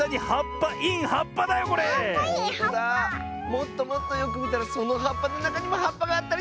もっともっとよくみたらそのはっぱのなかにもはっぱがあったりして！